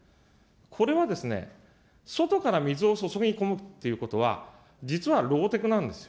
これはですね、外から水を注ぎこむということは、実はローテクなんですよ。